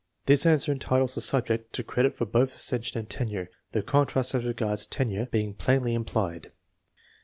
This answer entitles the subject to credit for both accession and tenure, the contrast as regards tenure being plainly implied.